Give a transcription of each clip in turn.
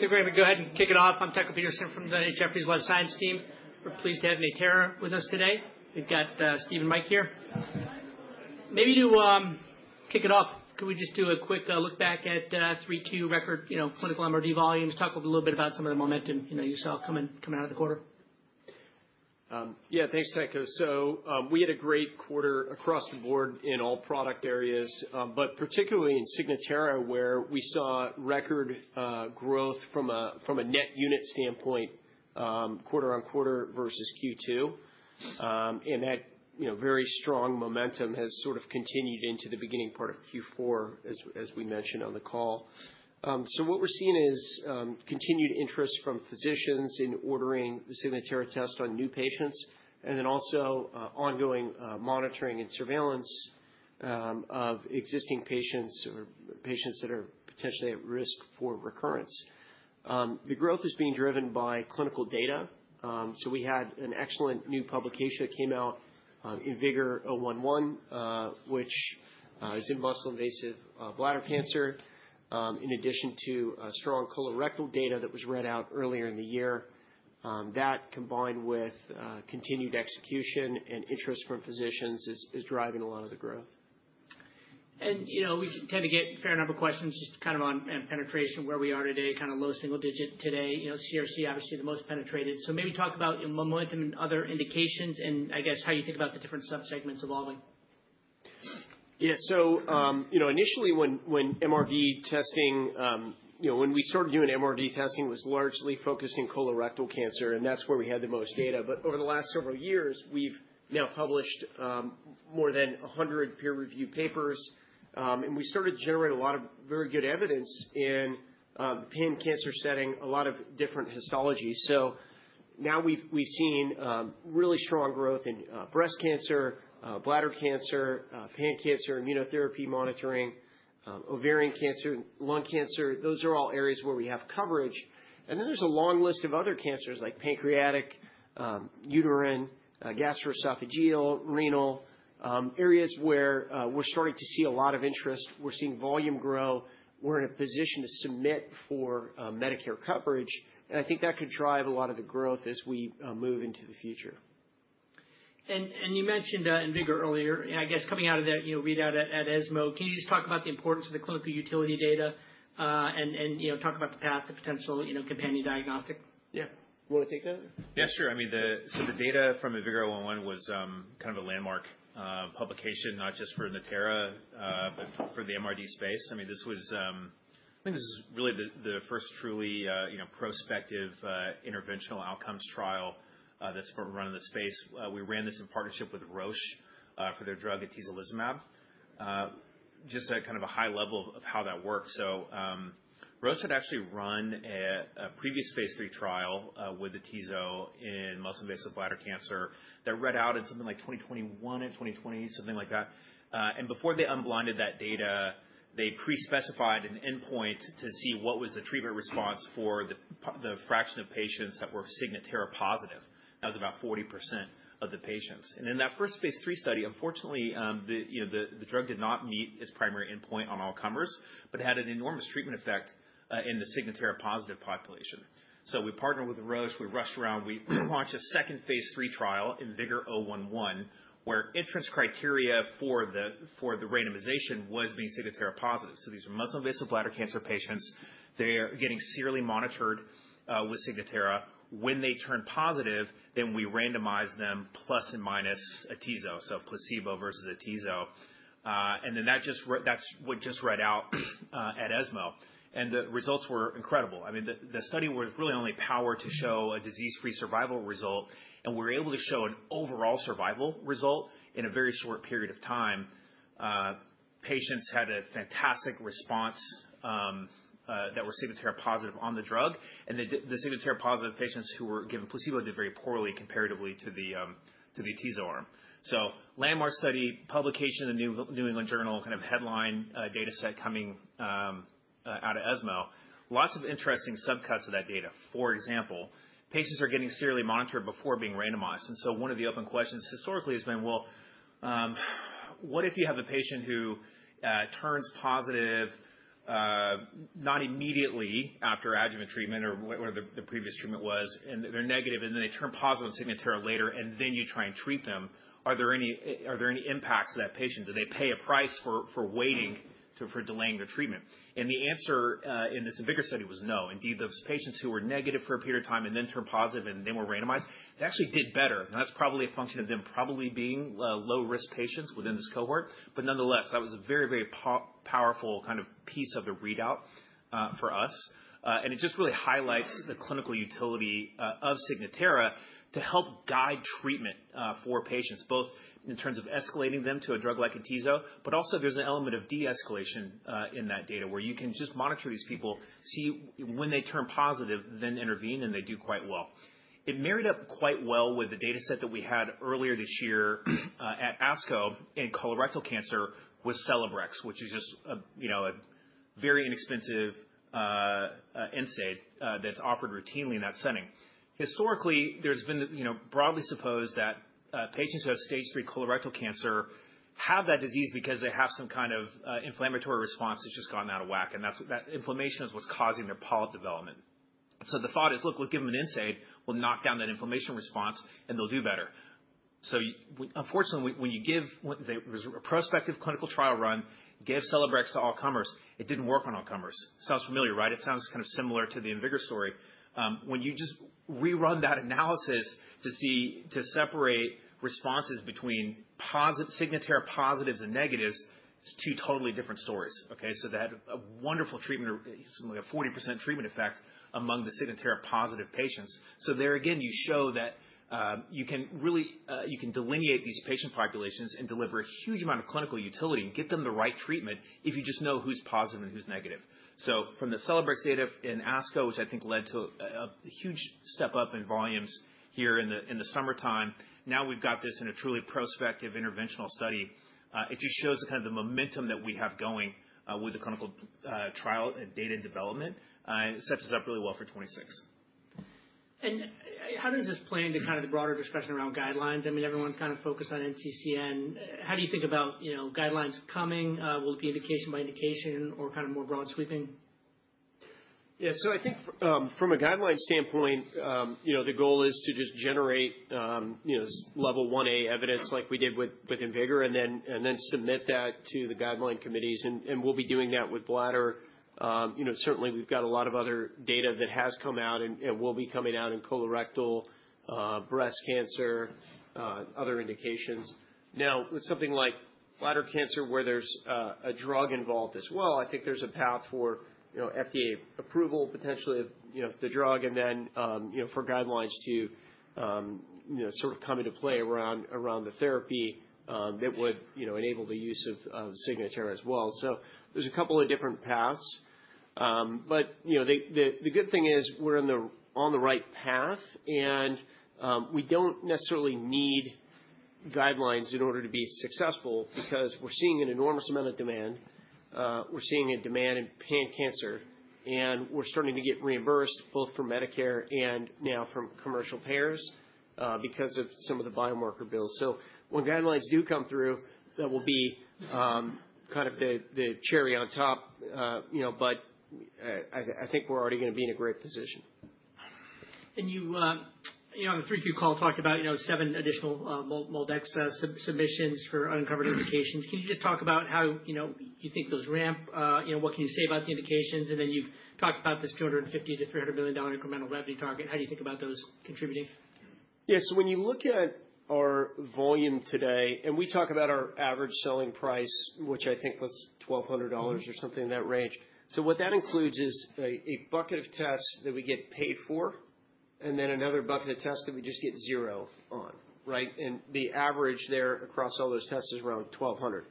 Mr. Rayback, go ahead and kick it off. I'm Tucker Peterson from the Jefferie's Life Science team. We're pleased to have Natera with us today. We've got Steve and Mike here. Maybe to kick it off, could we just do a quick look back at Q3 record, you know, clinical MRD volumes, talk a little bit about some of the momentum, you know, you saw coming out of the quarter? Yeah, thanks, Tucker. So we had a great quarter across the board in all product areas, but particularly in Signatera, where we saw record growth from a net unit standpoint, quarter on quarter versus Q2. And that, you know, very strong momentum has sort of continued into the beginning part of Q4, as we mentioned on the call. So what we're seeing is continued interest from physicians in ordering the Signatera test on new patients, and then also ongoing monitoring and surveillance of existing patients or patients that are potentially at risk for recurrence. The growth is being driven by clinical data. So we had an excellent new publication that came out in IMvigor011, which is in muscle invasive bladder cancer, in addition to strong colorectal data that was read out earlier in the year. That, combined with continued execution and interest from physicians, is driving a lot of the growth. You know, we tend to get a fair number of questions just kind of on penetration, where we are today, kind of low single digit today, you know, CRC, obviously the most penetrated. Maybe talk about momentum and other indications, and I guess how you think about the different subsegments evolving. Yeah, so, you know, initially when MRD testing, you know, when we started doing MRD testing, it was largely focused in colorectal cancer, and that's where we had the most data. But over the last several years, we've now published more than 100 peer-reviewed papers, and we started to generate a lot of very good evidence in the pan-cancer setting, a lot of different histologies. So now we've seen really strong growth in breast cancer, bladder cancer, pan-cancer immunotherapy monitoring, ovarian cancer, lung cancer. Those are all areas where we have coverage. And then there's a long list of other cancers, like pancreatic, uterine, gastroesophageal, renal, areas where we're starting to see a lot of interest. We're seeing volume grow. We're in a position to submit for Medicare coverage. And I think that could drive a lot of the growth as we move into the future. You mentioned in Vigor earlier, and I guess coming out of that, you know, readout at ESMO. Can you just talk about the importance of the clinical utility data and, you know, talk about the path, the potential, you know, companion diagnostic? Yeah. You want to take that? Yeah, sure. I mean, the data from Vigor 011 was kind of a landmark publication, not just for Natera, but for the MRD space. I mean, this was, I think, really the first truly, you know, prospective interventional outcomes trial that's been run in the space. We ran this in partnership with Roche for their drug atezolizumab, just at kind of a high level of how that works, so Roche had actually run a previous phase three trial with atezo in muscle invasive bladder cancer that read out in something like 2021 and 2020, something like that, and before they unblinded that data, they pre-specified an endpoint to see what was the treatment response for the fraction of patients that were Signatera positive. That was about 40% of the patients. In that first phase three study, unfortunately, you know, the drug did not meet its primary endpoint on all comers, but it had an enormous treatment effect in the Signatera-positive population. We partnered with Roche, we rushed around, we launched a second phase three trial in Vigor 011, where entrance criteria for the randomization was being Signatera-positive. These are muscle-invasive bladder cancer patients. They're getting serially monitored with Signatera. When they turn positive, then we randomize them plus and minus atezo, so placebo versus atezo. And then that's what just read out at ESMO. The results were incredible. I mean, the study was really only power to show a disease-free survival result, and we were able to show an overall survival result in a very short period of time. Patients had a fantastic response that were Signatera-positive on the drug. The Signatera positive patients who were given placebo did very poorly comparatively to the atezo arm. Landmark study, publication in the New England Journal, kind of headline data set coming out of ESMO. Lots of interesting subcuts of that data. For example, patients are getting serially monitored before being randomized. One of the open questions historically has been, well, what if you have a patient who turns positive not immediately after adjuvant treatment or whatever the previous treatment was, and they're negative, and then they turn positive on Signatera later, and then you try and treat them, are there any impacts to that patient? Do they pay a price for waiting or delaying their treatment? The answer in this Vigor study was no. Indeed, those patients who were negative for a period of time and then turned positive and then were randomized, they actually did better. And that's probably a function of them probably being low-risk patients within this cohort. But nonetheless, that was a very, very powerful kind of piece of the readout for us. And it just really highlights the clinical utility of Signatera to help guide treatment for patients, both in terms of escalating them to a drug like atezo, but also there's an element of de-escalation in that data where you can just monitor these people, see when they turn positive, then intervene, and they do quite well. It married up quite well with the data set that we had earlier this year at ASCO in colorectal cancer with Celebrex, which is just, you know, a very inexpensive NSAID that's offered routinely in that setting. Historically, there's been, you know, broadly supposed that patients who have stage three colorectal cancer have that disease because they have some kind of inflammatory response that's just gone out of whack, and that inflammation is what's causing their polyp development. So the thought is, look, we'll give them an NSAID, we'll knock down that inflammation response, and they'll do better. So unfortunately, there was a prospective clinical trial run, gave Celebrex to all comers, it didn't work on all comers. Sounds familiar, right? It sounds kind of similar to the IMvigor story. When you just rerun that analysis to separate responses between Signatera positives and negatives, two totally different stories. Okay, so they had a wonderful treatment, something like a 40% treatment effect among the Signatera positive patients. So there again, you show that you can really, you can delineate these patient populations and deliver a huge amount of clinical utility and get them the right treatment if you just know who's positive and who's negative. So from the Celebrex data in ASCO, which I think led to a huge step up in volumes here in the summertime, now we've got this in a truly prospective interventional study. It just shows kind of the momentum that we have going with the clinical trial and data development. It sets us up really well for 2026. How does this play into kind of the broader discussion around guidelines? I mean, everyone's kind of focused on NCCN. How do you think about, you know, guidelines coming? Will it be indication by indication or kind of more broad sweeping? Yeah, so I think from a guideline standpoint, you know, the goal is to just generate, you know, level 1A evidence like we did with IMvigor and then submit that to the guideline committees. And we'll be doing that with bladder. You know, certainly we've got a lot of other data that has come out and will be coming out in colorectal, breast cancer, other indications. Now with something like bladder cancer where there's a drug involved as well, I think there's a path for, you know, FDA approval potentially of, you know, the drug and then, you know, for guidelines to, you know, sort of come into play around the therapy that would, you know, enable the use of Signatera as well. So there's a couple of different paths. But, you know, the good thing is we're on the right path and we don't necessarily need guidelines in order to be successful because we're seeing an enormous amount of demand. We're seeing a demand in pan-cancer and we're starting to get reimbursed both from Medicare and now from commercial payers because of some of the biomarker bills. So when guidelines do come through, that will be kind of the cherry on top, you know, but I think we're already going to be in a great position. You, you know, on the 3Q call talked about, you know, seven additional MolDX submissions for uncovered indications. Can you just talk about how, you know, you think those ramp, you know, what can you say about the indications? And then you've talked about this $250-$300 million incremental revenue target. How do you think about those contributing? Yeah, so when you look at our volume today, and we talk about our average selling price, which I think was $1,200 or something in that range. So what that includes is a bucket of tests that we get paid for and then another bucket of tests that we just get zero on, right? And the average there across all those tests is around $1,200.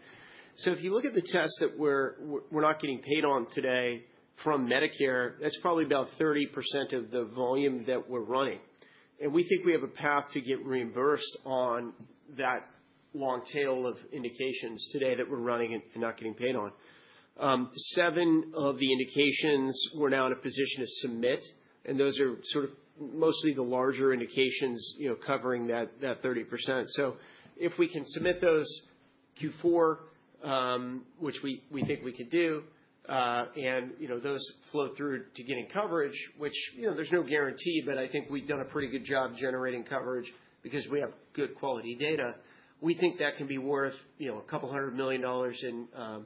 So if you look at the tests that we're not getting paid on today from Medicare, that's probably about 30% of the volume that we're running. And we think we have a path to get reimbursed on that long tail of indications today that we're running and not getting paid on. Seven of the indications we're now in a position to submit, and those are sort of mostly the larger indications, you know, covering that 30%. So if we can submit those Q4, which we think we can do, and, you know, those flow through to getting coverage, which, you know, there's no guarantee, but I think we've done a pretty good job generating coverage because we have good quality data, we think that can be worth, you know, $200 million in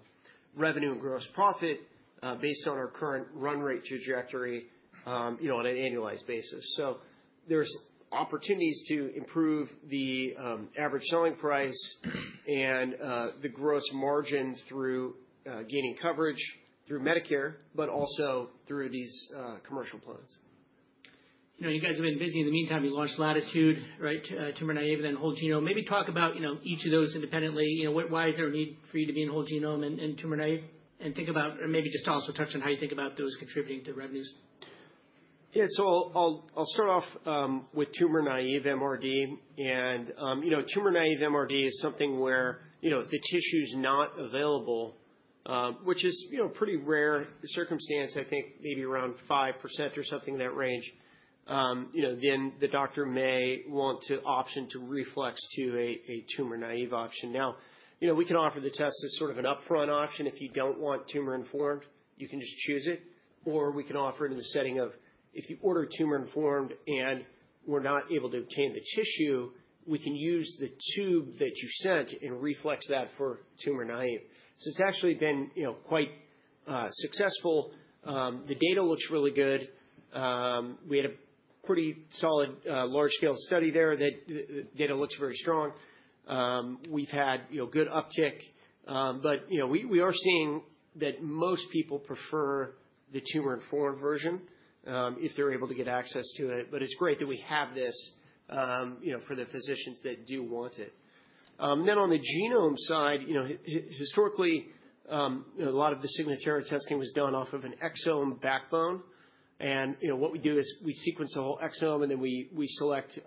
revenue and gross profit based on our current run rate trajectory, you know, on an annualized basis. So there's opportunities to improve the average selling price and the gross margin through gaining coverage through Medicare, but also through these commercial plans. You know, you guys have been busy. In the meantime, you launched Latitude, right, tumor-naive, and then whole genome. Maybe talk about, you know, each of those independently. You know, why is there a need for you to be in whole genome and tumor-naive and think about, or maybe just also touch on how you think about those contributing to revenues? Yeah, so I'll start off with tumor-naive MRD. And, you know, tumor-naive MRD is something where, you know, if the tissue's not available, which is, you know, a pretty rare circumstance, I think maybe around 5% or something in that range, you know, then the doctor may want the option to reflex to a tumor-naive option. Now, you know, we can offer the test as sort of an upfront option. If you don't want tumor-informed, you can just choose it. Or we can offer it in the setting of if you order tumor-informed and we're not able to obtain the tissue, we can use the tube that you sent and reflex that for tumor-naive. So it's actually been, you know, quite successful. The data looks really good. We had a pretty solid large-scale study there, and that data looks very strong. We've had, you know, good uptick. But, you know, we are seeing that most people prefer the tumor-informed version if they're able to get access to it. But it's great that we have this, you know, for the physicians that do want it. Then on the genome side, you know, historically, you know, a lot of the Signatera testing was done off of an exome backbone. And, you know, what we do is we sequence the whole exome and then we select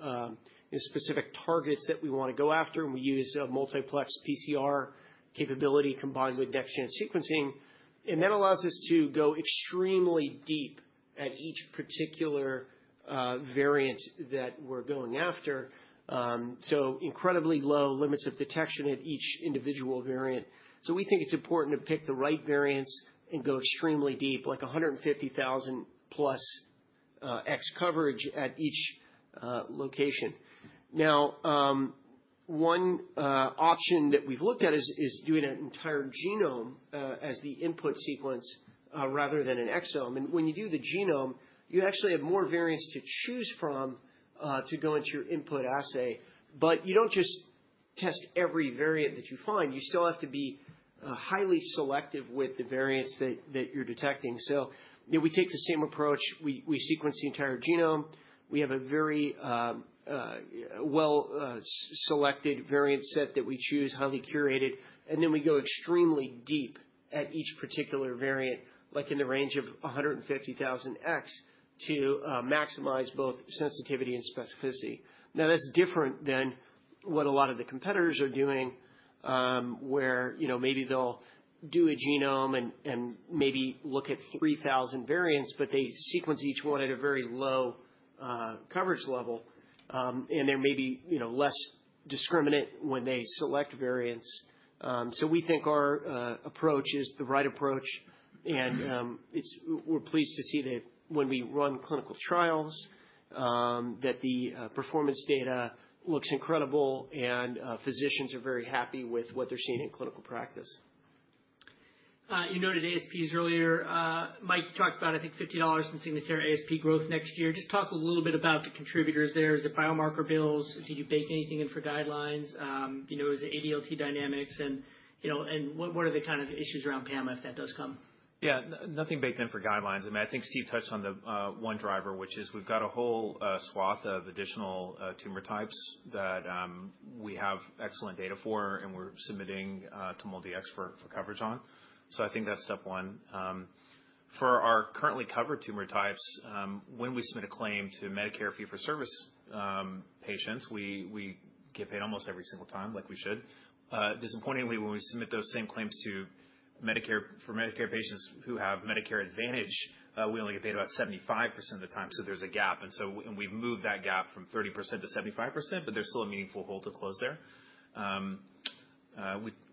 specific targets that we want to go after. And we use a multiplex PCR capability combined with next-gen sequencing. And that allows us to go extremely deep at each particular variant that we're going after. So incredibly low limits of detection at each individual variant. So we think it's important to pick the right variants and go extremely deep, like 150,000 plus X coverage at each location. Now, one option that we've looked at is doing an entire genome as the input sequence rather than an exome. And when you do the genome, you actually have more variants to choose from to go into your input assay. But you don't just test every variant that you find. You still have to be highly selective with the variants that you're detecting. So, you know, we take the same approach. We sequence the entire genome. We have a very well-selected variant set that we choose, highly curated. And then we go extremely deep at each particular variant, like in the range of 150,000x to maximize both sensitivity and specificity. Now, that's different than what a lot of the competitors are doing where, you know, maybe they'll do a genome and maybe look at 3,000 variants, but they sequence each one at a very low coverage level. They're maybe, you know, less discriminating when they select variants. We think our approach is the right approach. We're pleased to see that when we run clinical trials, that the performance data looks incredible and physicians are very happy with what they're seeing in clinical practice. You noted ASPs earlier. Mike talked about, I think, $50 in Signatera ASP growth next year. Just talk a little bit about the contributors there. Is it biomarker bills? Do you bake anything in for guidelines? You know, is it ADLT dynamics? And, you know, what are the kind of issues around PAMA if that does come? Yeah, nothing baked in for guidelines. I mean, I think Steve touched on the one driver, which is we've got a whole swath of additional tumor types that we have excellent data for and we're submitting to MolDX for coverage on. So I think that's step one. For our currently covered tumor types, when we submit a claim to Medicare fee-for-service patients, we get paid almost every single time like we should. Disappointingly, when we submit those same claims to Medicare for Medicare patients who have Medicare Advantage, we only get paid about 75% of the time. So there's a gap, and so we've moved that gap from 30%-75%, but there's still a meaningful hole to close there.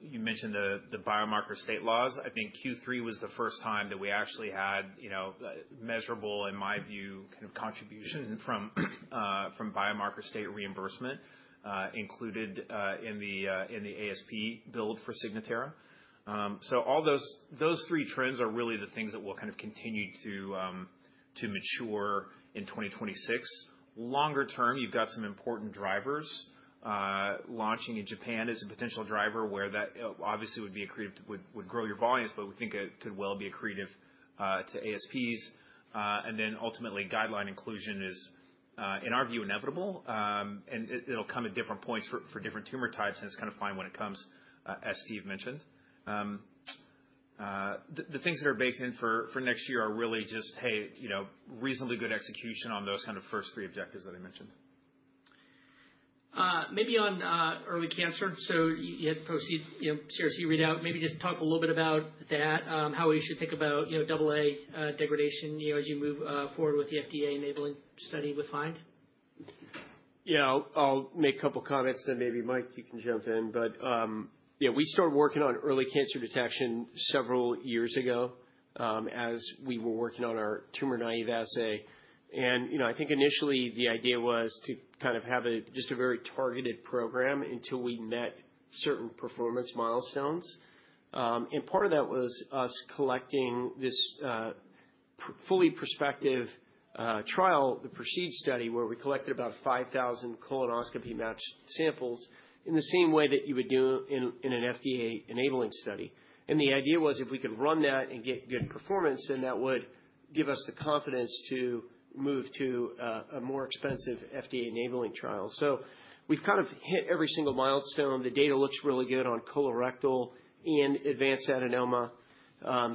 You mentioned the biomarker state laws. I think Q3 was the first time that we actually had, you know, measurable, in my view, kind of contribution from biomarker-based reimbursement included in the ASP build for Signatera, so all those three trends are really the things that will kind of continue to mature in 2026. Longer term, you've got some important drivers. Launching in Japan is a potential driver where that obviously would be accretive, would grow your volumes, but we think it could well be accretive to ASPs, and then ultimately, guideline inclusion is, in our view, inevitable, and it'll come at different points for different tumor types, and it's kind of fine when it comes, as Steve mentioned. The things that are baked in for next year are really just, hey, you know, reasonably good execution on those kind of first three objectives that I mentioned. Maybe on early cancer. So you had the PREEMPT, you know, CRC readout. Maybe just talk a little bit about that, how we should think about, you know, AA degradation, you know, as you move forward with the FDA enabling study with FIND? Yeah, I'll make a couple comments and then maybe Mike, you can jump in. But, you know, we started working on early cancer detection several years ago as we were working on our tumor-naive assay. And, you know, I think initially the idea was to kind of have just a very targeted program until we met certain performance milestones. And part of that was us collecting this fully prospective trial, the pre-seed study, where we collected about 5,000 colonoscopy matched samples in the same way that you would do in an FDA enabling study. And the idea was if we could run that and get good performance, then that would give us the confidence to move to a more expensive FDA enabling trial. So we've kind of hit every single milestone. The data looks really good on colorectal and advanced adenoma.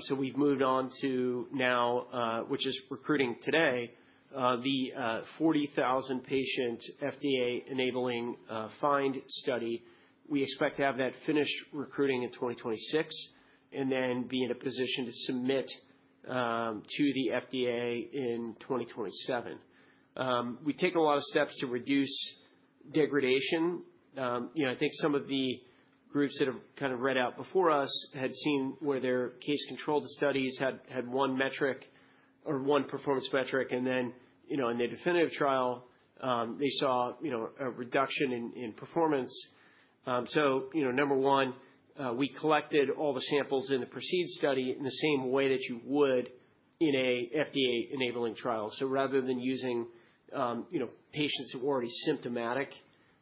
So we've moved on to now, which is recruiting today, the 40,000 patient FDA enabling final study. We expect to have that finished recruiting in 2026 and then be in a position to submit to the FDA in 2027. We take a lot of steps to reduce degradation. You know, I think some of the groups that have kind of read out before us had seen where their case control studies had one metric or one performance metric. And then, you know, in the definitive trial, they saw, you know, a reduction in performance. So, you know, number one, we collected all the samples in the PRECEDE study in the same way that you would in a FDA enabling trial. So rather than using, you know, patients who were already symptomatic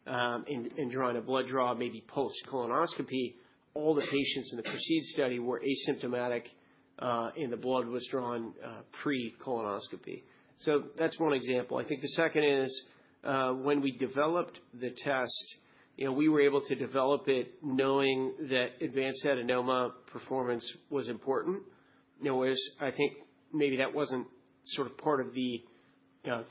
and drawing a blood draw maybe post colonoscopy, all the patients in the PRECEDE study were asymptomatic and the blood was drawn pre-colonoscopy. So that's one example. I think the second is when we developed the test, you know, we were able to develop it knowing that advanced adenoma performance was important. You know, I think maybe that wasn't sort of part of the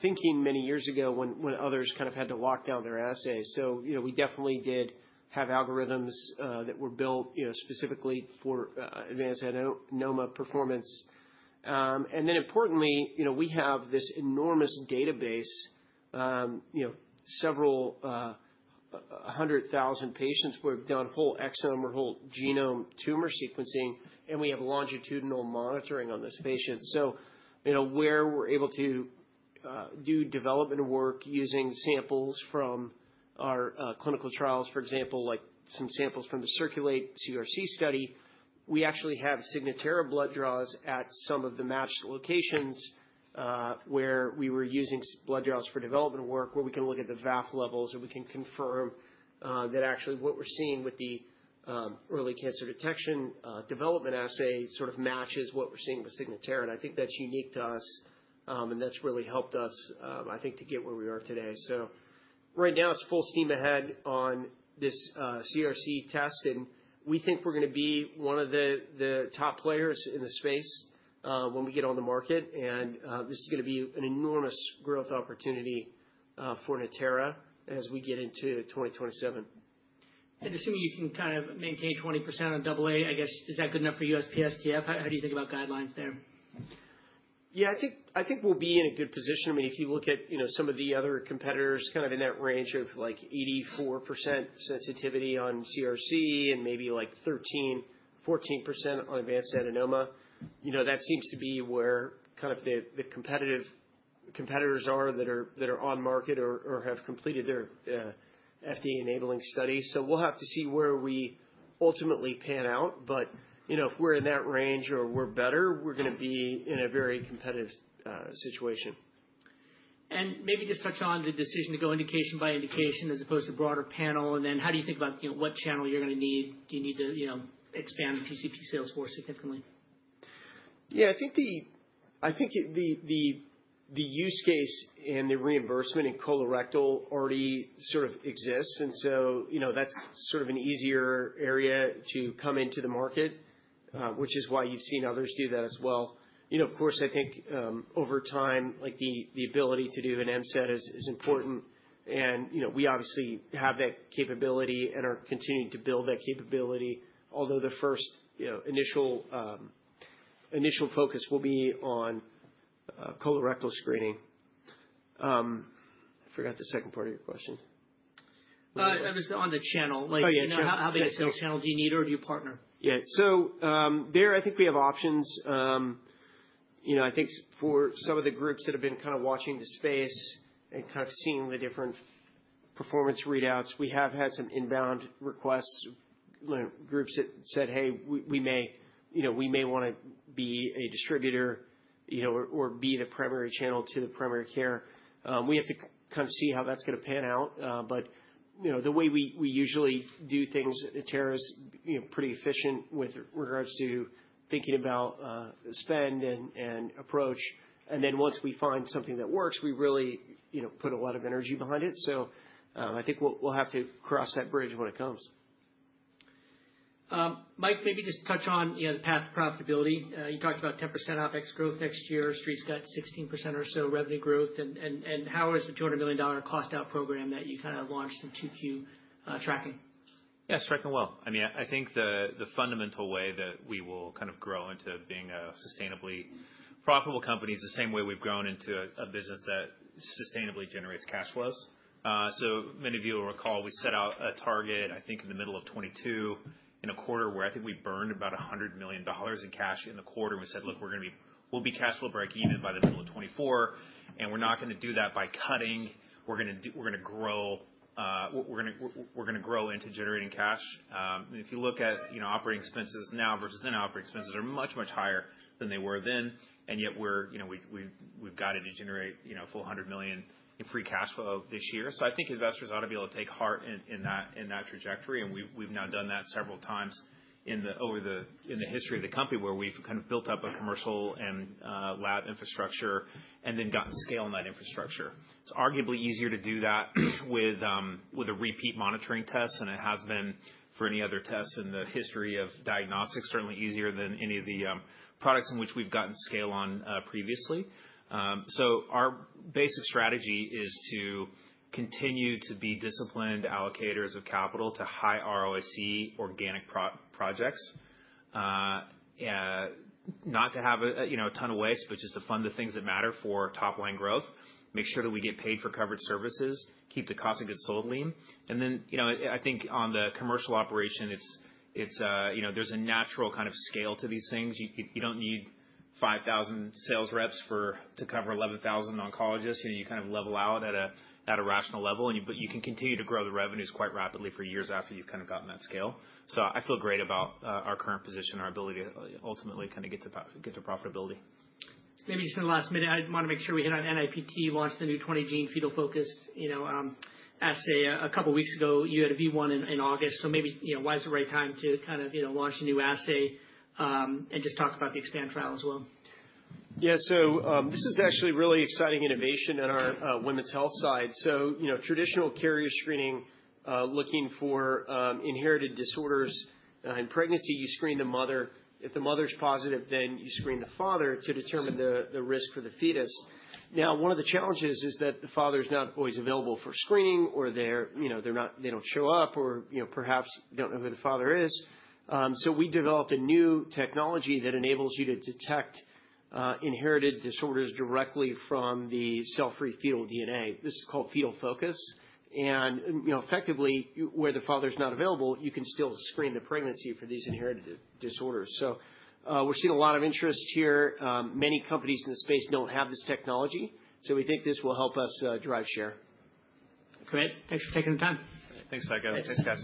thinking many years ago when others kind of had to lock down their assays. So, you know, we definitely did have algorithms that were built, you know, specifically for advanced adenoma performance. And then importantly, you know, we have this enormous database, you know, several hundred thousand patients where we've done whole exome or whole genome tumor sequencing and we have longitudinal monitoring on those patients. You know, where we're able to do development work using samples from our clinical trials, for example, like some samples from the Circulate-CRC study, we actually have Signatera blood draws at some of the matched locations where we were using blood draws for development work where we can look at the VAF levels and we can confirm that actually what we're seeing with the early cancer detection development assay sort of matches what we're seeing with Signatera. I think that's unique to us and that's really helped us, I think, to get where we are today. Right now it's full steam ahead on this CRC test. We think we're going to be one of the top players in the space when we get on the market. This is going to be an enormous growth opportunity for Natera as we get into 2027. Assuming you can kind of maintain 20% on AA, I guess, is that good enough for USPSTF? How do you think about guidelines there? Yeah, I think we'll be in a good position. I mean, if you look at, you know, some of the other competitors kind of in that range of like 84% sensitivity on CRC and maybe like 13%-14% on advanced adenoma, you know, that seems to be where kind of the competitive competitors are that are on market or have completed their FDA enabling study. So we'll have to see where we ultimately pan out. But, you know, if we're in that range or we're better, we're going to be in a very competitive situation. Maybe just touch on the decision to go indication by indication as opposed to broader panel. And then how do you think about, you know, what channel you're going to need? Do you need to, you know, expand PCP sales force significantly? Yeah, I think the use case and the reimbursement in colorectal already sort of exists. And so, you know, that's sort of an easier area to come into the market, which is why you've seen others do that as well. You know, of course, I think over time, like the ability to do an MCED is important. And, you know, we obviously have that capability and are continuing to build that capability, although the first initial focus will be on colorectal screening. I forgot the second part of your question. I was on the channel. Like, you know, how big a sales channel do you need or do you partner? Yeah, so there I think we have options. You know, I think for some of the groups that have been kind of watching the space and kind of seeing the different performance readouts, we have had some inbound requests, groups that said, hey, we may, you know, we may want to be a distributor, you know, or be the primary channel to the primary care. We have to kind of see how that's going to pan out. But, you know, the way we usually do things, Natera is pretty efficient with regards to thinking about spend and approach. And then once we find something that works, we really, you know, put a lot of energy behind it. So I think we'll have to cross that bridge when it comes. Mike, maybe just touch on, you know, the path to profitability. You talked about 10% OpEx growth next year. Street's got 16% or so revenue growth, and how is the $200 million cost-out program that you kind of launched in Q2 tracking? Yeah, it's tracking well. I mean, I think the fundamental way that we will kind of grow into being a sustainably profitable company is the same way we've grown into a business that sustainably generates cash flows. So many of you will recall we set out a target, I think in the middle of 2022, in a quarter where I think we burned about $100 million in cash in the quarter. And we said, look, we're going to be, we'll be cash flow break even by the middle of 2024. And we're not going to do that by cutting. We're going to grow, we're going to grow into generating cash. And if you look at, you know, operating expenses now versus operating expenses are much, much higher than they were then. And yet we're, you know, we've gotten to generate, you know, a full $100 million in free cash flow this year. So I think investors ought to be able to take heart in that trajectory. And we've now done that several times over the history of the company where we've kind of built up a commercial and lab infrastructure and then gotten scale on that infrastructure. It's arguably easier to do that with a repeat monitoring test. And it has been for any other tests in the history of diagnostics, certainly easier than any of the products in which we've gotten scale on previously. So our basic strategy is to continue to be disciplined allocators of capital to high ROIC organic projects, not to have, you know, a ton of waste, but just to fund the things that matter for top-line growth, make sure that we get paid for covered services, keep the cost of goods sold lean. And then, you know, I think on the commercial operation, it's, you know, there's a natural kind of scale to these things. You don't need 5,000 sales reps to cover 11,000 oncologists. You know, you kind of level out at a rational level. But you can continue to grow the revenues quite rapidly for years after you've kind of gotten that scale. So I feel great about our current position, our ability to ultimately kind of get to profitability. Maybe just in the last minute, I want to make sure we hit on NIPT launched the new 20-gene Fetal Focus, you know, assay a couple weeks ago. You had a V1 in August. So maybe, you know, why is it the right time to kind of, you know, launch a new assay and just talk about the EXPAND trial as well? Yeah, so this is actually really exciting innovation on our women's health side. So, you know, traditional carrier screening looking for inherited disorders in pregnancy, you screen the mother. If the mother's positive, then you screen the father to determine the risk for the fetus. Now, one of the challenges is that the father is not always available for screening or they're, you know, they don't show up or, you know, perhaps don't know who the father is. So we developed a new technology that enables you to detect inherited disorders directly from the cell-free fetal DNA. This is called Fetal Focus. And, you know, effectively, where the father's not available, you can still screen the pregnancy for these inherited disorders. So we're seeing a lot of interest here. Many companies in the space don't have this technology. So we think this will help us drive share. Great. Thanks for taking the time. Thanks, Rayback.